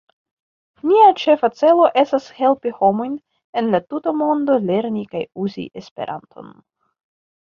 Nia ĉefa celo estas helpi homojn en la tuta mondo lerni kaj uzi Esperanton.